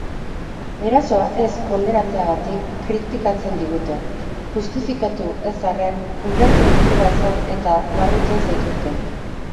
Erasoa ez kondenatzeagatik kritikatzen digute. Justifikatu ez arren, ulertzen duzula esan eta larrutzen zaituzte.